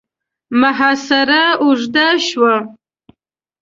محاصره اوږده شوه.